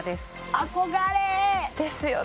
憧れですよね